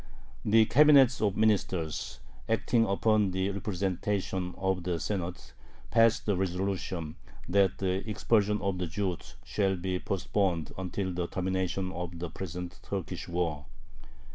The Cabinet of Ministers, acting upon the representation of the Senate, passed the resolution, that "the expulsion of the Jews shall be postponed until the termination of the present Turkish War."